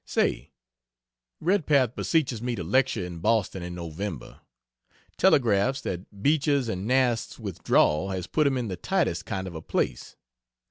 Say Redpath beseeches me to lecture in Boston in November telegraphs that Beecher's and Nast's withdrawal has put him in the tightest kind of a place.